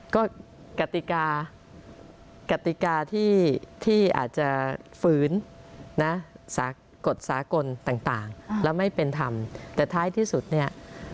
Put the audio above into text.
ก็กติกาที่อาจจะฟื้นนะสากษาต่างและไม่เป็นธรรมแต่ท้ายที่สุดเนี่ย